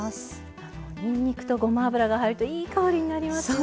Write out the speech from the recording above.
にんにくとごま油が入るといい香りになりますよね。